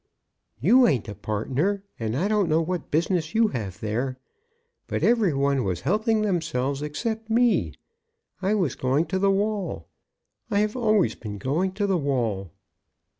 "You ain't a partner, and I don't know what business you have there. But every one was helping themselves except me. I was going to the wall. I have always been going to the wall.